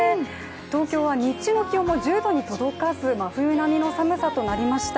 東京は日中の気温も１０度に届かず真冬並みの寒さとなりました。